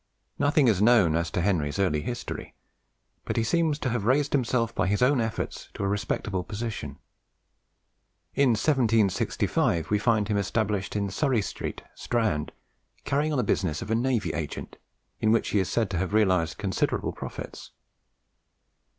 Nothing is known as to Henry's early history; but he seems to have raised himself by his own efforts to a respectable position. In 1765 we find him established in Surrey Street, Strand, carrying on the business of a navy agent, in which he is said to have realized considerable profits.